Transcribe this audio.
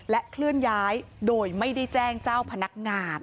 เคลื่อนย้ายโดยไม่ได้แจ้งเจ้าพนักงาน